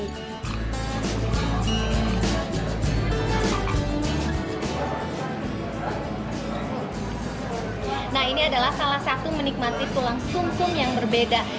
nah ini adalah salah satu menikmati tulang sum sum yang berbeda